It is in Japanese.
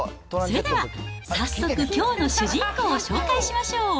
ではさっそくきょうの主人公をご紹介しましょう。